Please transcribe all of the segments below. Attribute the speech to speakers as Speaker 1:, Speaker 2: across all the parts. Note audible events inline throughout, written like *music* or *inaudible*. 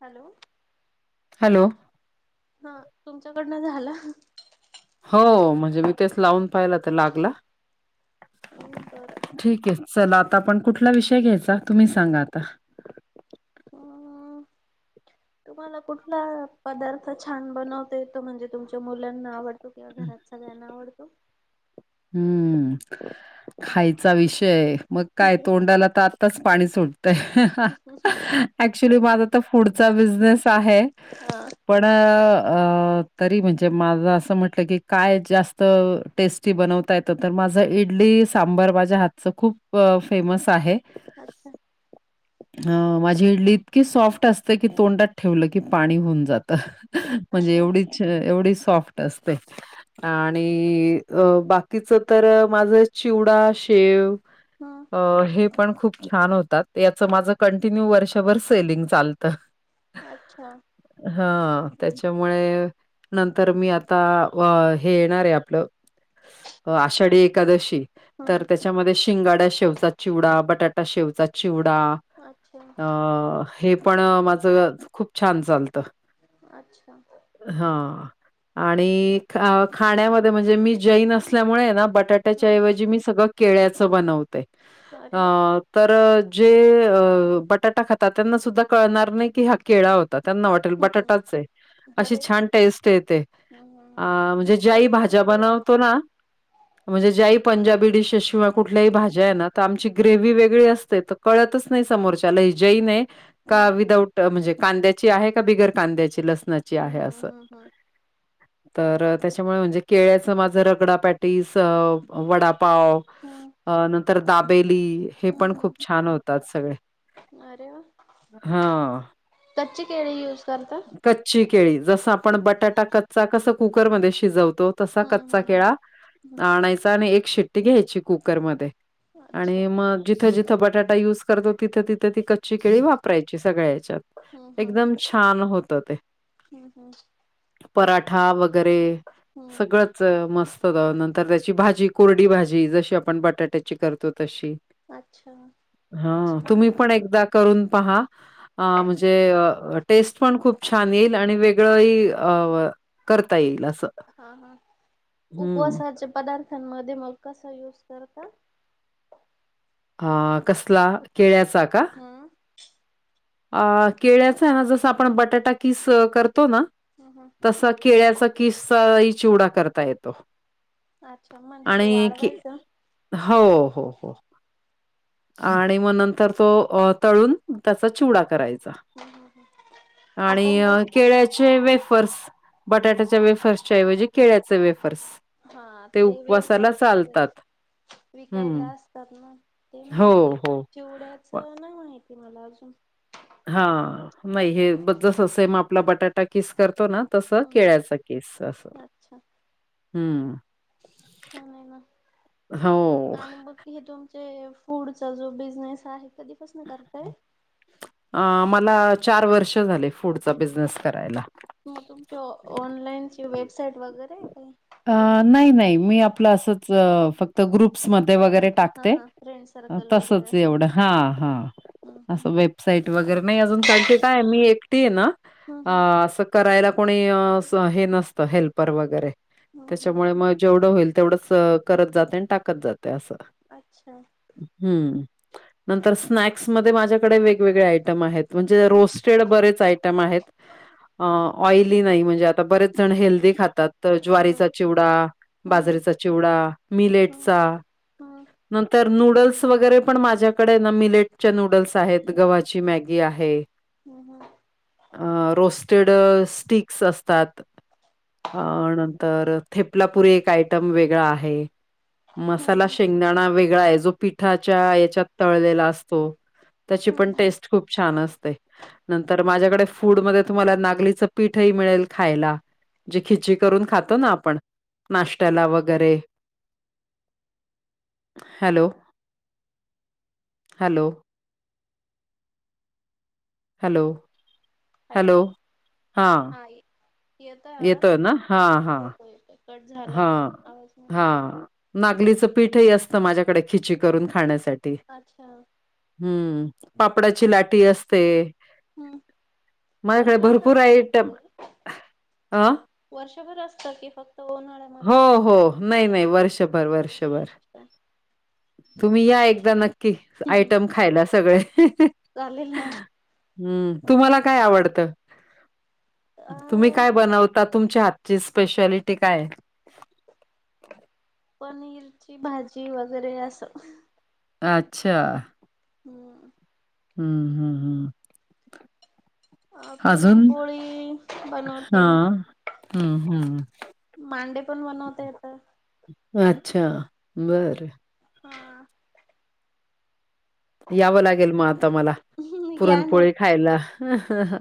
Speaker 1: Hello
Speaker 2: hello
Speaker 1: हा तुमच्याकडनं झालं?
Speaker 2: हो म्हणजे मी तेच लावून पाहिला तर लागला.
Speaker 1: बर!
Speaker 2: ठीक आहे चल आता आपण कुठला विषय घ्यायचा तुम्ही सांगा आता.
Speaker 1: हो तुम्हाला कुठला पदार्थ छान बनवते तो म्हणजे तुमच्या मुलांना आवड किंवा घरात सगळ्यांना आवडतो?
Speaker 2: हम्म खायचा विषय मग काय तोंडाला तात च पाणी सुटतय ऍक्च्युली माझा तर फूडचा बिझनेस आहे.
Speaker 1: हा
Speaker 2: पण तरी म्हणजे माझ असं म्हटलं की काय जास्त टेस्ट बनवता येत तर माझं इडली सांबर माझ्या हातच खूप फेमस आहे.
Speaker 1: अच्छा!
Speaker 2: *unintelligible* अ माझी इडली इतकी सॉफ्ट असते की तोंडात ठेवलं की पाणी होऊन जातं. म्हणजे
Speaker 1: अरे वा
Speaker 2: एवढीच एवढी सॉफ्ट असते आणि अ बाकीच तर माझं चिवडा शेव
Speaker 1: हा
Speaker 2: अ हे पण खूप छान होतात याचं माझं कंटिन्यू वर्षभर सेलिंग चालतं.
Speaker 1: अच्छा!
Speaker 2: हा त्याच्यामुळे नंतर मी आता हे येणार आहे आपलं आषाढी एकादशी तर त्या
Speaker 1: हम्म
Speaker 2: त्याच्यामध्ये शिंगाड्या शेवचा चिवडा, बटाटा शेवचा चिवडा
Speaker 1: अच्छा
Speaker 2: अ हे पण माझं खूप छान चालतं
Speaker 1: अच्छा!
Speaker 2: हा आणि ख खाण्यामध्ये म्हणजे मी जैन असल्यामुळे ना बटाट त्याच्या
Speaker 1: हम्म
Speaker 2: ऐवजी मी सगळं केळ्याच बनवतेय अ
Speaker 1: अरे वा
Speaker 2: तर जे अ बटाटा खातात त्यांना सुद्धा कळणार नाही की हा केळा होता त्यांना वाट
Speaker 1: हम्म
Speaker 2: म्हणजे अशी
Speaker 1: अरे
Speaker 2: टेस्ट येते
Speaker 1: हम्म
Speaker 2: ज्या ही
Speaker 1: कच्ची
Speaker 2: भाज्या जा
Speaker 1: केळी
Speaker 2: बनवतो ना.
Speaker 1: वापरतात
Speaker 2: म्हणजे ज्याही पंजाबी डिशेस शिवा कुठल्याही भाज्या आहे ना तर आमची ग्रेव्ही वेगळी असते. कळतच नाही समोरच्या ला की ही जैन आहे का
Speaker 1: हम्म
Speaker 2: विदाऊट म्हणजे कांद्याची आहे का बिगर कांद्याची लसणाची आहे
Speaker 1: हम्म
Speaker 2: असं.
Speaker 1: हम्म हम्म हम्म
Speaker 2: तर त्याच्यामुळे म्हणजे केळ्याचं माझं रगडा पाॅटीस वडापाव
Speaker 1: हम्म
Speaker 2: नंतर दाबेली हे पण
Speaker 1: हम्म
Speaker 2: खूप
Speaker 1: हम्म
Speaker 2: छान होतात सगळे.
Speaker 1: अरे वा
Speaker 2: हां,
Speaker 1: कच्ची केळी युज करत?
Speaker 2: कच्ची केळी जसं आपण बटाटा कच्चा कसं कुकरमध्ये शिजवतो? तसा
Speaker 1: हम्म
Speaker 2: कच्चा
Speaker 1: हम्म
Speaker 2: केळा
Speaker 1: हम्म
Speaker 2: आणायचा आणि एक शिट्टी घ्यायची कुकरमध्येध्ये
Speaker 1: अच्छा
Speaker 2: आणि मग जिथं जिथं बटाटा युज करतो तिथं तिथे ती कच्ची केळी वापरायची सग्याच्यात.
Speaker 1: हम्म हम्म हम्म
Speaker 2: एकदम छान होत ते
Speaker 1: हम्म हम्म
Speaker 2: पराठा वगैरे
Speaker 1: हम्म.
Speaker 2: सगळंच मस्त होत नंतर त्याची भाजी कोरडी भाजी जशी आपण बटाट्याची करतो तशी
Speaker 1: अच्छा
Speaker 2: हा
Speaker 1: छान
Speaker 2: तुम्ही
Speaker 1: आहे
Speaker 2: पण एकदा करून पहा. अ म्हणजे टेस्ट पण खूप छान येईल आणि वेगळंही अ करता येईल असं.
Speaker 1: हा हा
Speaker 2: हं.
Speaker 1: उपवासाच्या पदार्थांमध्ये मग कसा यूज करतात.
Speaker 2: अ कसला केळ्याचा का?
Speaker 1: हां.
Speaker 2: अ केळ्याचा ना जस आपण बटाटा कीस करतो ना
Speaker 1: हम्म हम्म
Speaker 2: तस केळ्याचा किस्साही चिवडा करता येतो.
Speaker 1: अच्छा म्हणजे ते
Speaker 2: आणि की
Speaker 1: वाढवायच.
Speaker 2: हो हो हो. आणि मग नंतर तो तळून त्याचा चिवडा करायचा
Speaker 1: हम्म हम्म आपण
Speaker 2: आणि
Speaker 1: जस
Speaker 2: केळ्याची वेफर्स बटाट्याच्या वेफर्सच्याऐवजी केळ्याचे वेफर्स
Speaker 1: हा ते वेळ
Speaker 2: उपवासाला
Speaker 1: फरच
Speaker 2: चालतात.
Speaker 1: वगैरे
Speaker 2: हं.
Speaker 1: विकायला तर ना ते
Speaker 2: हो,
Speaker 1: माहिती
Speaker 2: हो.
Speaker 1: चिवड्याच
Speaker 2: प
Speaker 1: नाही माहिती मला अजून
Speaker 2: हा नाही हे जस सेम आपला बटाटा किस करतो ना. तस
Speaker 1: हम्म
Speaker 2: केळ्याचा केस अस
Speaker 1: अच्छा
Speaker 2: हम्म.
Speaker 1: छान आहे ना
Speaker 2: हो.
Speaker 1: आणि बघ हे तुमचे फूडचा जो बिझनेस आहे. कधीपासून करताय.
Speaker 2: अ मला चार वर्ष झाले फूडचा बिझनेस करायला
Speaker 1: मग तुमची ऑनलाईनची वेबसाइट वगैरे आहे काय?
Speaker 2: नाही नाही मी आपलं असंच फक्त ग्रुप्समध्ये वर
Speaker 1: अच्छा
Speaker 2: टाक
Speaker 1: हा हा फ्रेंड सर्कल
Speaker 2: तव
Speaker 1: वगैरे असते
Speaker 2: ह.
Speaker 1: हम्म हम्म
Speaker 2: साईट वगैरे नाही अजून काडके काय मी एकटी आहे ना
Speaker 1: हम्म
Speaker 2: असं. करायला कोणी हे नसतं हेल्पर वगैरे
Speaker 1: हम्म हम्म
Speaker 2: त्याच्यामुळे
Speaker 1: हम्म
Speaker 2: मग जेवढं होईल तेवढंच करत जाते आणि टाकत जाते असं.
Speaker 1: अच्छा.
Speaker 2: ह् नंतर स्नॅक्स म माझ्याकडे वेगवेगळे आयटम आहेत म्हणजे
Speaker 1: हम्म
Speaker 2: रोस्ट ड बरेच आयटम आहेत ऑइली नाही म्हणजे आता बरेच जण हेल्दीी खातात. तर
Speaker 1: हम्म
Speaker 2: ज्वारीचा चिवडा
Speaker 1: हम्म
Speaker 2: बाजरेचा चिवडा
Speaker 1: हम्म
Speaker 2: मिलेटचा
Speaker 1: हम्म
Speaker 2: नंतर नूडल्स वगैरे पण माझ्याकडे ना मिलेटच्या नूडल्स आहेत गव्हाची मॅगी
Speaker 1: हम्म हम्म
Speaker 2: रोस्टेड स्ट्स असतात. अ नंतर थेपलापुरी एक आयटम वेगळा आहे. मसाला
Speaker 1: हम्म
Speaker 2: शेंगदाणा वेगळा आहे जो पिठाच्या याच्यात. तळलेला असतो त्याची पण
Speaker 1: हम्म हम्म
Speaker 2: टेस्ट खूप छान असते. नंतर माझ्याकडे फूडमध्ये तुम्हाला नागलीचं पीठही मिळेल खायला. जी खिची करून खातो ना आपण नाश्त्याला वगैरे हॅलो हॅलो. हॅलो.
Speaker 1: हॅलो हां य यता आहे आवाज
Speaker 2: येतोय ना? हां, हां.
Speaker 1: हो हो येत. कट झालं
Speaker 2: हां,
Speaker 1: आवाज म
Speaker 2: हां. नागलीचं पीठही असतं माझ्याकडे खिची करून खाण्यासाठी
Speaker 1: अच्छा.
Speaker 2: हम्म
Speaker 1: अच्छा
Speaker 2: पापडाची लाटी असते.
Speaker 1: हम्म
Speaker 2: माझ्याकडे
Speaker 1: वर्षभर
Speaker 2: भरपूर आयटम
Speaker 1: असत
Speaker 2: अं
Speaker 1: वर्षभर असतात की फक्त उन्हाळा्यात.
Speaker 2: हो हो नाही नाही वर्षभर वर्षभर.
Speaker 1: चा.
Speaker 2: तुम्ही या एकदा नक्की
Speaker 1: हम्म.
Speaker 2: आयटम खायला सगळे.
Speaker 1: चालेल ना.
Speaker 2: हम्म तुम्हाला काय आवडत तुम्ही.
Speaker 1: अ
Speaker 2: काय बनवता तुमच्या हातची स्पेशालिटी काय आहे.
Speaker 1: पनीरची भाजी वगैरे अस ह
Speaker 2: आच्छा.
Speaker 1: हम्.
Speaker 2: हम्म, हम्म, हम्.
Speaker 1: अ पुरणपोळी बनवते.
Speaker 2: हां. हं, हं.
Speaker 1: मांडे पण बनवता येत.
Speaker 2: अच्छा! बर.
Speaker 1: हा.
Speaker 2: यावं लागेल मग आता मला,
Speaker 1: या ना
Speaker 2: पुरणपोळी खायला. हहह.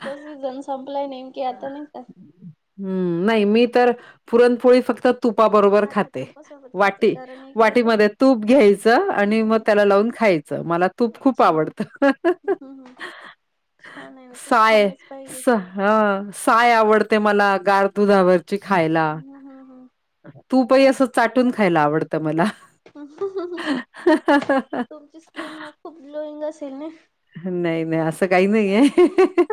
Speaker 1: तो सीजन संपलाय नेमकी आता नाही का.
Speaker 2: हम्म नाही मी तर पुरणपोळी फक्त तुपाबरोबर
Speaker 1: अच्छा
Speaker 2: खाते
Speaker 1: तुपासोबत खाते
Speaker 2: वाटी
Speaker 1: कारण इकडे
Speaker 2: वाटीमध्ये
Speaker 1: कसं
Speaker 2: तूप घ्यायचं आणि मग
Speaker 1: हम्म
Speaker 2: त्याला लावून खाय च मला तूप खूप
Speaker 1: अच्छा
Speaker 2: आवडत हहह.
Speaker 1: हम्म हम्म छान आहे ना तूप
Speaker 2: साय
Speaker 1: खाल्लंच पाहिजे
Speaker 2: स ह साय आवडते मला गार दुधावरची खायला.
Speaker 1: हम्म हम्म
Speaker 2: तूपही असं चाटून खायला आवडतं मला.
Speaker 1: पहू *unintelligible*
Speaker 2: नाही नाही असं काही नाही आहे हहह.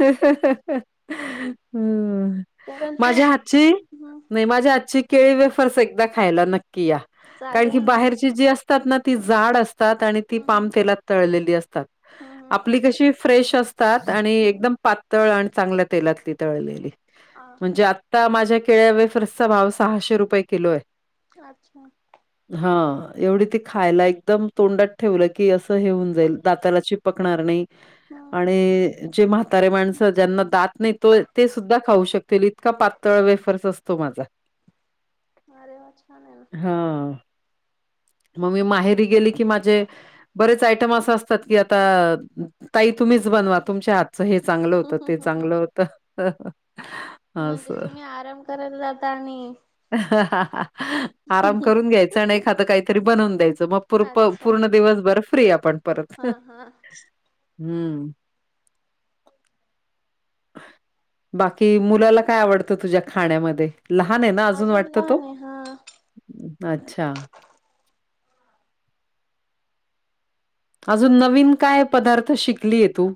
Speaker 2: हहह, हम्म.
Speaker 1: कारण ते
Speaker 2: माझ्या हातची
Speaker 1: हम्म
Speaker 2: नाही माझ्या हातची. केळी वेफर्स एकदा खायला नक्की या कारण
Speaker 1: चालेल
Speaker 2: की
Speaker 1: ना
Speaker 2: बाहेरची जी असतात ना ती जाड अस तात आणि ती
Speaker 1: हम्म
Speaker 2: पाम
Speaker 1: हम्म
Speaker 2: तेलात तळलेली असतात.
Speaker 1: हम्म हम्म
Speaker 2: आपली कशी फ्रेश अस तात आणि
Speaker 1: हम्म
Speaker 2: एकदम पातळ आणि चांगल्या तेलातली तळलेली.
Speaker 1: हा
Speaker 2: म्हणजे आ ता माझ्या केळ्या वेफ्रसचा भाव सहाशे रुपये किलो आहे.
Speaker 1: आच्छा.
Speaker 2: हा एवढी ती खायला एकदम तोंडात ठेवलं की असं हे होऊन जाईल. दाताला चिपकणार नाही
Speaker 1: हम्म
Speaker 2: आणी जे म्हाता तारेे माणसं ज्यांना दात नाही तो ते सुद्धा खाऊ शकतील इतका पातळ वेफर्स असतो माझा.
Speaker 1: अरे वा छान आहे ना
Speaker 2: ह मग मी माहेरी गेली कि माझे बरेच आयटम अस असतात की आता ताई तुम्हीच बनवा तुमच्या हात तुमचं हे चांगलं होत
Speaker 1: हम्म हम्म
Speaker 2: ते
Speaker 1: हम्म
Speaker 2: चांगलं होत. हहह.
Speaker 1: म्हणजे तुम्ही आराम करायला जाता आणि.
Speaker 2: अह हाहा अ *unintelligible* आराम करून घ्यायचं आण एखादं काहीतरी बनवून द्यायचं मग प-प
Speaker 1: अच्छा
Speaker 2: पूर्ण दिवसभर फ्री आपण.
Speaker 1: हा- हा.
Speaker 2: हम्म. बाकी मुलाला काय आवडतं तुझ्या खाण्यामध्ये लहान आहे ना अजून वाटत तो.
Speaker 1: लहान आहे हा
Speaker 2: अच्छा. अजून नवीन काय पदार्थ शिकली ये तू.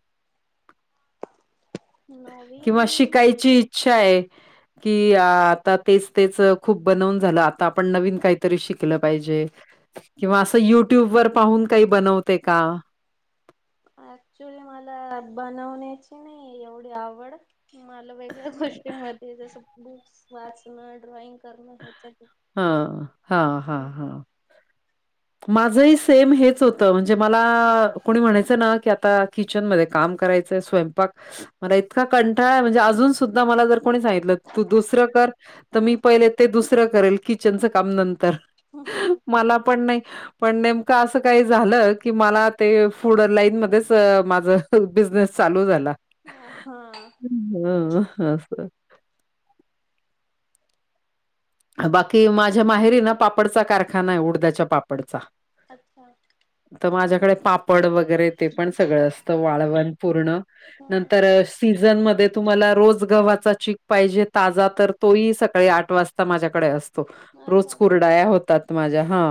Speaker 2: किंवा
Speaker 1: नवीन
Speaker 2: शिकायची इच्छा आहे. कि, आ आता तेच तेच खूप बनवून झालं, आता आपण नवीन काहीतरी शिकल पाहिजे किंवा असं युट्यूबवर पाहून काही बनवते का?
Speaker 1: ऍक्च्युली मला बनवण्याची नाही एवढी आवड. मला वेगळ्या गोष्टीमध्ये जसं बुक्स वाचणं, ड्रॉइंग करणं ह्याच्यात ये-
Speaker 2: हा हा हा. माझंही सेम हेच होतं म्हणजे मला कोणी म्हणायचं ना की आता किचनमध्ये काम कराय स्वयंपाक मला इतका कंटाळा आहे म्हणजे अजून सुद्धा मला जर कोणी सांगितलं तू दुसरं कर तर मी
Speaker 1: हम्म
Speaker 2: पहिले ते दुसरं करेल किचनचं काम नंतर
Speaker 1: हम्म
Speaker 2: मला पण नाही पण नेमकं असं काही झालं की मला ते फूड लाईन मध्येच माझं बिझनेस चालू झाला.
Speaker 1: अ हा.
Speaker 2: हा अस. बाकी माझ्या माहेरी ना पापडचा कारखाना आहे उडद्याच्या पापडचा.
Speaker 1: अच्छा.
Speaker 2: तर माझ्याकडे पापड वगैरे ते पण सगळं असतं वाळवण पूर्ण
Speaker 1: हम्म
Speaker 2: नंतर सीझन मध्ये तुम्हाला रोज गव्हाच्या चीक पाहिजे ताजा तर तोही सकाळी आठ वाजता माझ्याकडे असतो
Speaker 1: अरे
Speaker 2: रोज
Speaker 1: बापरे
Speaker 2: कुरडाया माझ्या हा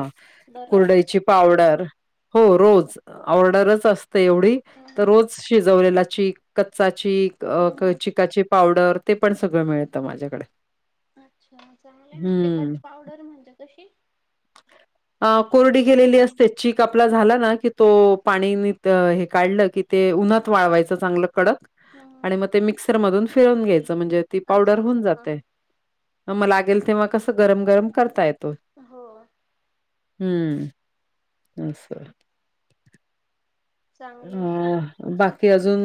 Speaker 1: दररोज
Speaker 2: कुरडईची पावडरच हो रोज ऑर्डरच अस एवढी तर
Speaker 1: हम्म
Speaker 2: रोज शिजवलेला चीक, कच्चा चीक,
Speaker 1: हम्म हम्म
Speaker 2: चिकाची पावडर पावडर ते पण सगळं मिळतं माझ्याकडे.
Speaker 1: अच्छा चांगलं ना
Speaker 2: हम्म
Speaker 1: चिकाची पावडर म्हणते कशी?
Speaker 2: *inaudible* अ कोरडी केेलेली असते चीक आपला झाला ना की तो पाणीनी हे काढलं की ते उन्हात वाळवायचं चांगलं कडक
Speaker 1: हम्म
Speaker 2: आणि मग ते मिक्सर मधून फिरून घ्यायचं म्हणजे ती पावडर
Speaker 1: अच्छा अच्छा
Speaker 2: होऊन
Speaker 1: हा
Speaker 2: जाते
Speaker 1: हा
Speaker 2: मग लागेल तेव्हा कसं गरम गरम करता येतो.
Speaker 1: हो.
Speaker 2: हम्म अस.
Speaker 1: चांगलंय
Speaker 2: अ बाकी अजून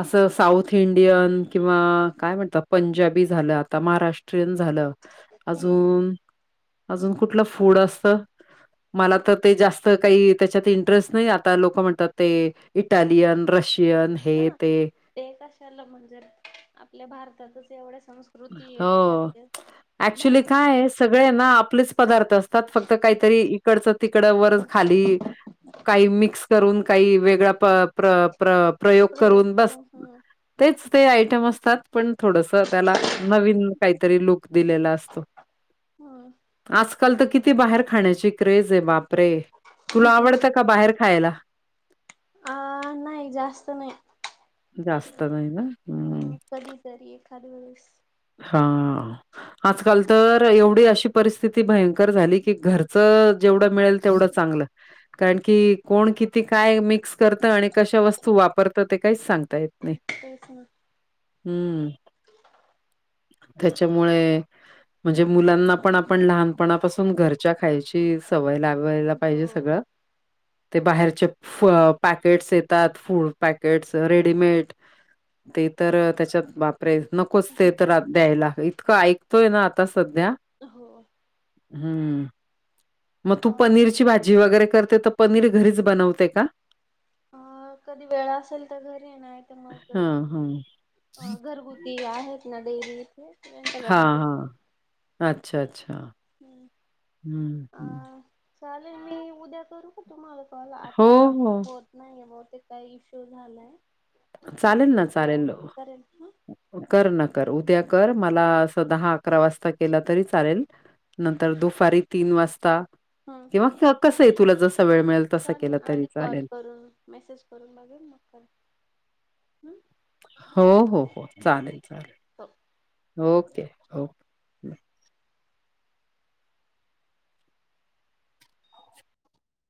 Speaker 2: असं साऊथ इंडियन किंवा काय म्हणतात पंजाबी झालं, आता महाराष्ट्रीयन झालं.
Speaker 1: हम्म हम्म
Speaker 2: अजून अजून कुठलं फूड असत? मला तर ते जास्त काही त्याच्यात इंटरेस्ट नाही आता लोक म्हणतात ते इटालियन, रशियन हे
Speaker 1: हा
Speaker 2: ते.
Speaker 1: ते कशाला म्हणजे आपल्या भारतातच एवढे संस्क कृती खाद्य बाहेरचे
Speaker 2: सगळ्यांना आपलेच पदार्थ असतात फक्त काहीतरी तिकडच तिकड वर खाली काही मिक्स करून काही वेगळा प्र प्र प्रयोग करून बस तेच ते आयटम असतात पण थोडस त्याला नवीन काहीतरी लुक दिलेल असतो, आजकाल तर किती बाहेर खाण्याची क्रेज आहे बाप बापरे तुला
Speaker 1: हम्म
Speaker 2: आवडतं का बाहेर खायला?
Speaker 1: अ नाही जास्त नाही.
Speaker 2: जास्त नाही ना.
Speaker 1: ह
Speaker 2: हं.
Speaker 1: कधी तरी एखादा वेळेस.
Speaker 2: हा. आजकाल तर एवढी अशी परिस्थिती भयंकर झाली की घरचं जेवढं मिळेल तेवढं चांगलं हाय. कारण की कोण किती काय मिक्स करत आणि कशा वस्तू वापरतं ते काहीच सांगता येत नाही.
Speaker 1: तेच ना.
Speaker 2: हम्म. त्याच्यामुळे म्हणजे मुलांना पण आपण लहानपणापासून घरच्या खायच्या सवय लागयला पाहिजे
Speaker 1: हो
Speaker 2: सगळं ते बाहेरचे पॅकेट्स येतात फूड पॅकेट्स रेडीमेड ते तर त्याच्यात बापरे नको तर द्यायला इतकं ऐकतोय ना आता सध्या
Speaker 1: हो
Speaker 2: हम्म मग
Speaker 1: अ
Speaker 2: तू पनीरची बाट जी वगैरे करते तर पनीर घरीच बनवते का?
Speaker 1: अ कधी वेळा असेल तर घर येणार आहे तर मग
Speaker 2: हां, हां.
Speaker 1: अ घरगुती ती आहेत ना देवी हो
Speaker 2: हां हां अच्छा अच्छा हं,
Speaker 1: ह् अ
Speaker 2: हं.
Speaker 1: चालेल मी उद्या करू तुम्हाला कॉल
Speaker 2: हो,
Speaker 1: आता
Speaker 2: हो.
Speaker 1: होत नाही मग ते काय इश्यू झालाय ह
Speaker 2: चालेल
Speaker 1: ब
Speaker 2: ना,
Speaker 1: द्या
Speaker 2: चालेल.
Speaker 1: बरे.
Speaker 2: कर न कर उद्या कर मला अस दहा अकरा वाजता केला तरी चालेल. नंतर दुपारी तीन वाजता.
Speaker 1: हा.
Speaker 2: किंवा कसं आहे तुला जससा वेळ मिळेल. तसा
Speaker 1: चालेल
Speaker 2: केला तरी
Speaker 1: आधी कॉल
Speaker 2: चालेल.
Speaker 1: करून मेसेज करून बघेल मग त्याला.
Speaker 2: हो हो हो चालेल
Speaker 1: हो
Speaker 2: चालेल ओके ओके.